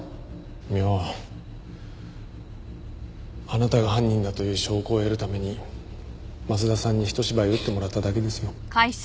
あなたが犯人だという証拠を得るために松田さんにひと芝居打ってもらっただけですよ。